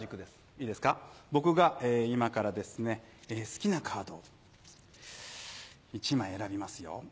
いいですか僕が今からですね好きなカードを１枚選びますよ。